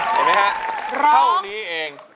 เห็นไหมฮะเท่านี้เอง